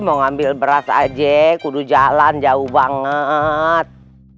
mau ngambil beras aja kudu jalan jauh banget